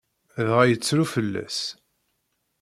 Dɣa yettru fell-as.